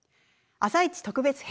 「あさイチ」特別編。